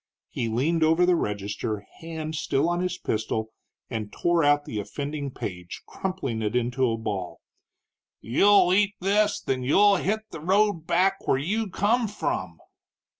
He leaned over the register, hand still on his pistol, and tore out the offending page, crumpling it into a ball. "You'll eat this, then you'll hit the road back where you come from!"